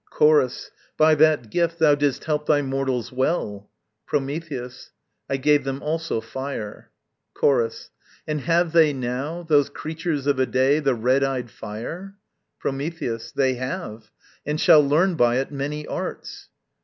Chorus. By that gift thou didst help thy mortals well. Prometheus. I gave them also fire. Chorus. And have they now, Those creatures of a day, the red eyed fire? Prometheus. They have: and shall learn by it many arts.